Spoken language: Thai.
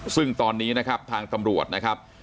ซึ่งตอนนี้นะครับทางตำรวจนะครับ